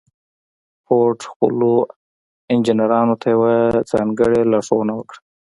فورډ خپلو انجنيرانو ته يوه ځانګړې لارښوونه وکړه.